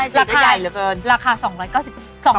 ใช่สีได้ใหญ่เหลือเกิน